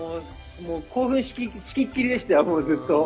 興奮しきっきりでしたよ、ずっと。